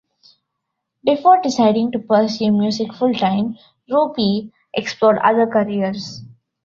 Before deciding to pursue music full-time, Rupee explored other careers.